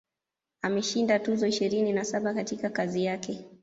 Ameshinda tuzo ishirini na saba katika kazi yake